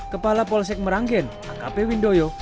kepala polsek meranggen akp windoyo